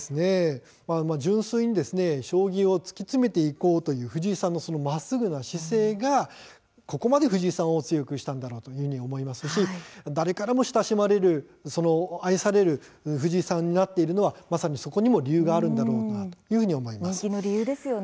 純粋に将棋を突き詰めていこうという藤井さんのまっすぐな姿勢がここまで藤井さんを強くしたんだろうと思いますし誰からも親しまれる愛される藤井さんになっているのは、まさにそこにも理由がある人気の理由ですよね。